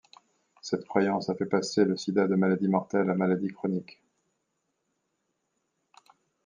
Cette croyance a fait passer le Sida de maladie mortelle à maladie chronique.